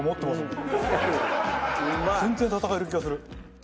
全然戦える気がする。